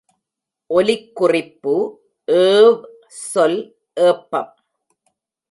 ஒலிக்குறிப்பு ஏவ் சொல் ஏப்பம்